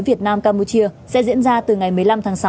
việt nam campuchia sẽ diễn ra từ ngày một mươi năm tháng sáu